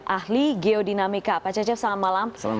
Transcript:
ahli geodinamika pak cecep selamat malam